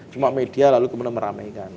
cuma media lalu kemudian meramaikan